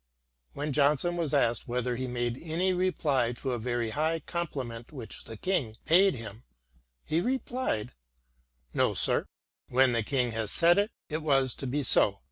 When Johnson was asked whether he made any reply to a very high compliment which the King paid him, he replied :" No, sir, when the King had said it, it was to be so.